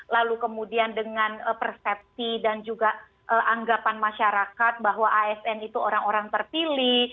lalu kemudian dengan persepsi dan juga anggapan masyarakat bahwa asn itu orang orang terpilih